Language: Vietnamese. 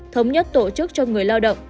thống nhất tổ chức cho người lao động